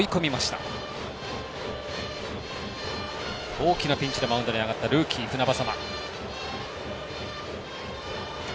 大きなピンチでマウンドに上がったルーキー、船迫。